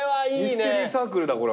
ミステリーサークルだこれは！